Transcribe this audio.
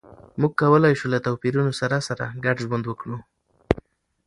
موږ کولای شو له توپیرونو سره سره ګډ ژوند وکړو.